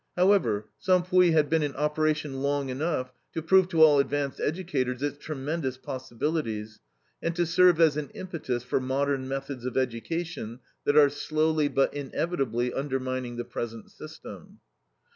However, Cempuis had been in operation long enough to prove to all advanced educators its tremendous possibilities, and to serve as an impetus for modern methods of education, that are slowly but inevitably undermining the present system.